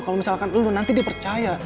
kalo misalkan lo nanti dia percaya